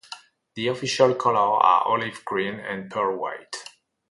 The official colors are olive green and pearl white.